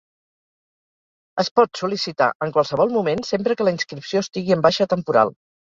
Es pot sol·licitar en qualsevol moment sempre que la inscripció estigui en baixa temporal.